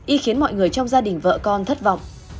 y khiến mọi người trong gia đình vợ con thất vọng